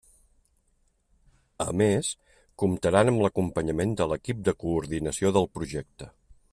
A més comptaran amb l'acompanyament de l'equip de coordinació del projecte.